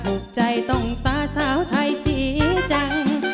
ถูกใจต้องผ่าสาวไทยสี่จัง